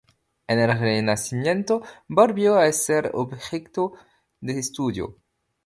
En el Renacimiento volvió a ser objeto de estudio.